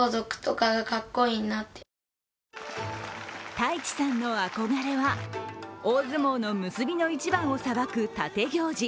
太智さんの憧れは、大相撲の結びの一番をさばく立行司